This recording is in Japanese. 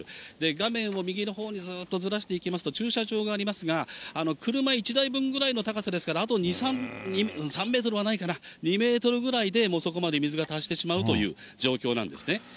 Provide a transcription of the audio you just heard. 画面を右のほうにずっとずらしていきますと、駐車場がありますが、車１台分ぐらいの高さですから、あと２、３メートルはないかな、２メートルぐらいでそこまで水が達してしまうという状況なんですね。